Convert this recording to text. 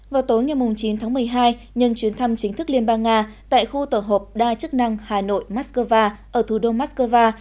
vào tối ngày chín tháng một mươi hai nhân chuyến thăm chính thức liên bang nga tại khu tổ hợp đa chức năng hà nội moscow ở thủ đô moscow